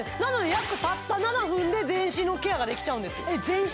約たった７分で全身のケアができちゃうんですえっ全身？